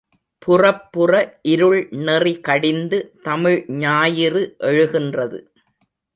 புறப்புற இருள்நெறி கடிந்து தமிழ் ஞாயிறு எழுகின்றது.